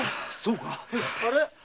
あれ？